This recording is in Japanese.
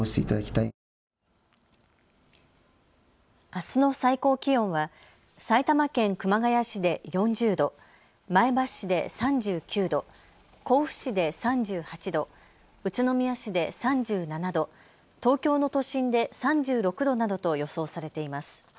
あすの最高気温は埼玉県熊谷市で４０度、前橋市で３９度、甲府市で３８度、宇都宮市で３７度、東京の都心で３６度などと予想されています。